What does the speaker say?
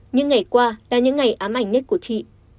những ngày qua là những ngày ám ảnh nhất của chị